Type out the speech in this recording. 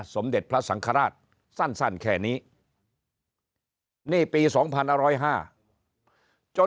สมเด็จพระสังฆราชสั้นแค่นี้ในปีสองพันห้าร้อยห้าจน